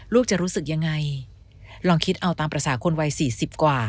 ลูกจะรู้สึกยังไงลองคิดเอาตามประสาทคนวัย๔๐กว่า